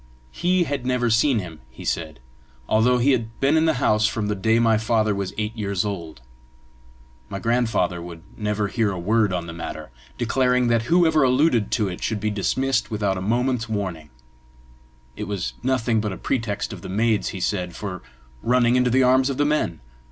He had never seen him, he said, although he had been in the house from the day my father was eight years old. My grandfather would never hear a word on the matter, declaring that whoever alluded to it should be dismissed without a moment's warning: it was nothing but a pretext of the maids, he said, for running into the arms of the men!